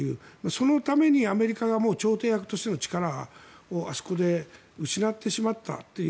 そのためにアメリカが調停役としての力をあそこで失ってしまったという。